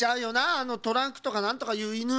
あのトランクとかなんとかいうイヌ。